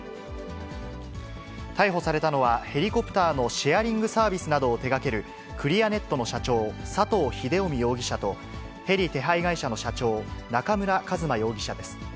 逮捕されたのは、ヘリコプターのシェアリングサービスなどを手がけるクリアネットの社長、佐藤秀臣容疑者と、ヘリ手配会社の社長、中村和真容疑者です。